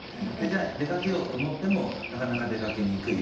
じゃあ出かけようと思ってもなかなか出かけにくい。